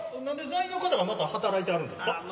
なんで座員の方がまた働いてはるんですか？